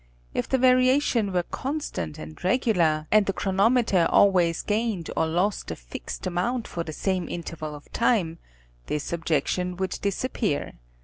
If the variations were constant and regular, and the chronometer always gained or lost a fixed amount for the same interval of time, this objection would disappear.